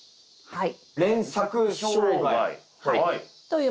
はい。